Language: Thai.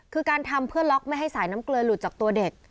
คือการทำเพื่อล็อกไม่ให้สายน้ำเกลือหลุดจากตัวเด็ก